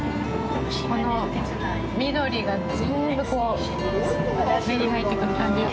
この緑が全部目に入ってくる感じが。